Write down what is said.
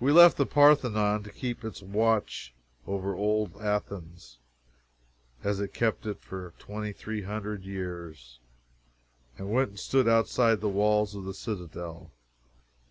We left the Parthenon to keep its watch over old Athens, as it had kept it for twenty three hundred years, and went and stood outside the walls of the citadel.